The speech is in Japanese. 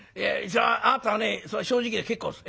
あなたはね正直で結構です。